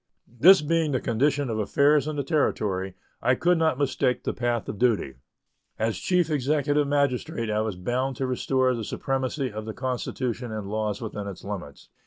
This being the condition of affairs in the Territory, I could not mistake the path of duty. As Chief Executive Magistrate I was bound to restore the supremacy of the Constitution and laws within its limits.